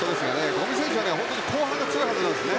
五味選手は後半が強いはずなんですね。